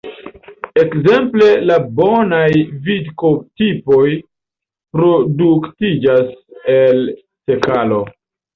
Ekzemple la bonaj vodko-tipoj produktiĝas el sekalo.